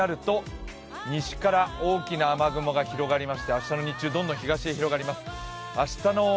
明日になると西から大きな雨雲が広がりまして、明日の日中どんどん東へ広がります。